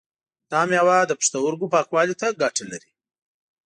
دا مېوه د پښتورګو پاکوالی ته ګټه لري.